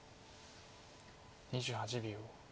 ２８秒。